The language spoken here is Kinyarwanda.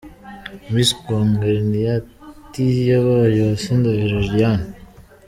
Miss Congeniality yabaye Uwase Ndahiro Liliane.